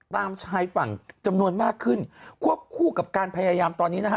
ตามชายฝั่งจำนวนมากขึ้นควบคู่กับการพยายามตอนนี้นะฮะ